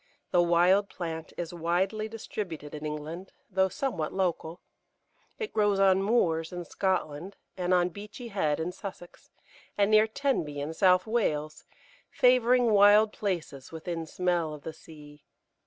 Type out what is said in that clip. The wild plant is widely distributed in England, though somewhat local. It grows on moors in Scotland, and on Beachy Head in Sussex, and near Tenby in South Wales, favouring wild places within smell of the sea.